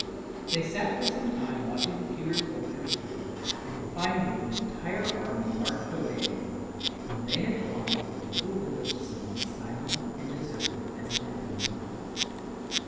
They sat for some time watching the pewter soldiers drill, and finally the entire army marched away again. When they had gone, the little village seemed as silent and deserted as it had been before.